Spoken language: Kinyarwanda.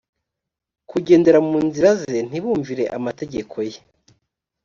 kugendera mu nzira ze ntibumvire amategeko ye